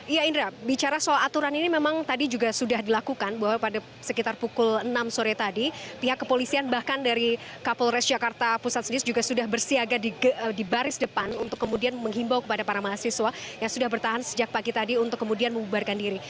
iya indra bicara soal aturan ini memang tadi juga sudah dilakukan bahwa pada sekitar pukul enam sore tadi pihak kepolisian bahkan dari kapolres jakarta pusat sendiri juga sudah bersiaga di baris depan untuk kemudian menghimbau kepada para mahasiswa yang sudah bertahan sejak pagi tadi untuk kemudian membubarkan diri